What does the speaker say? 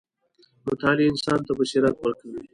• مطالعه انسان ته بصیرت ورکوي.